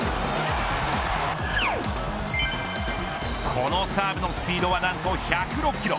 このサーブのスピードは何と１０６キロ。